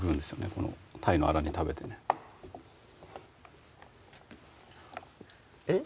この「鯛のあら煮」食べてねえっ？